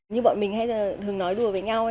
như bọn mình hay thường nói đùa với nhau đó là